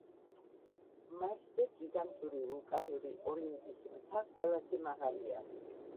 მარსზე გიგანტური ვულკანური ოლიმპის მთა ყველაზე მაღალია.